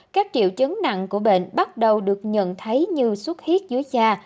các triệu chấn nặng của bệnh bắt đầu được nhận thấy như sốt huyết dưới da